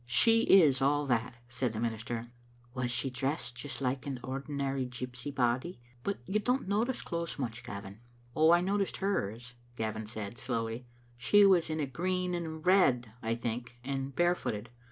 "She is all that," said the minister. " Was she dressed just like an ordinary gypsy body? But you don't notice clothes much, Gavin." "I noticed hers," Gavin said, slowly, "she was in a green and red, I think, and barefooted.